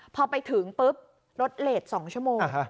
พอไปถึงปุ๊บรถเลส๒ชั่วโมง